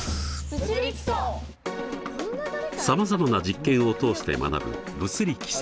さまざまな実験を通して学ぶ「物理基礎」。